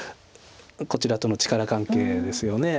こちらとの力関係ですよね。